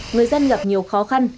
người dân gặp nhiều khó khăn